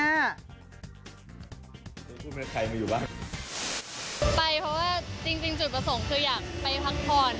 ไปเพราะว่าจริงจุดประสงค์คืออยากไปพักผ่อน